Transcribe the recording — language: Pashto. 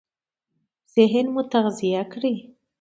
ذهن مو تغذيه کړئ!